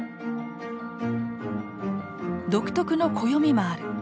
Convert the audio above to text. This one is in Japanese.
独特の暦もある。